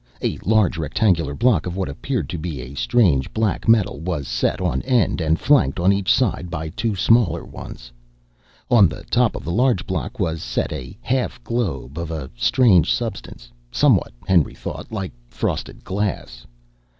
A large rectangular block of what appeared to be a strange black metal was set on end and flanked on each side by two smaller ones. On the top of the large block was set a half globe of a strange substance, somewhat, Henry thought, like frosted glass.